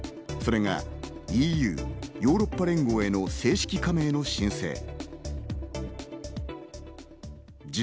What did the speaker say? それがＥＵ＝ヨーロッパ連合への正式加盟の申請。